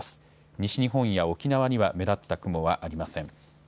西日本や沖縄には目立った雲はありません。